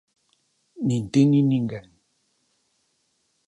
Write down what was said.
Nin ti nin ninguén.